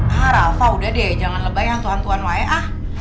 ah rafa udah deh jangan lebay hantu hantuan wae ah